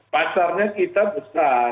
pasarnya kita besar